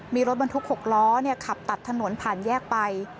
มีรถบรรทุก๖ล้อขับตัดถนนผ่านแยกไป